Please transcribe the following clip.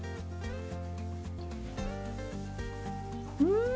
うん！